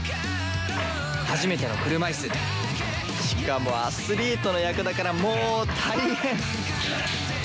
初めての車いすしかもアスリートの役だからもう大変！